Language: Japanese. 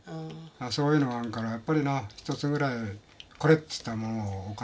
そういうのがあるからやっぱりな一つぐらい「これ！」っていったものを置かないと。